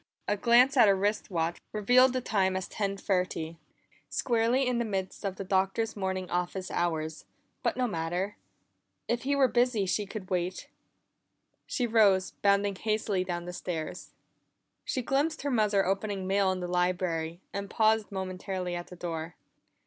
A glance at her wrist watch revealed the time as ten thirty; squarely in the midst of the Doctor's morning office hours, but no matter. If he were busy she could wait. She rose, bounding hastily down the stairs. She glimpsed her mother opening mail in the library, and paused momentarily at the door.